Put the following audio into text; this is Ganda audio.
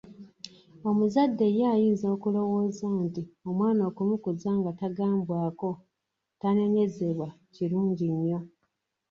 Omuzadde ye ayinza okulowooza nti omwana okumukuza nga tagambwako, tanenyezebwa kirungi nyo.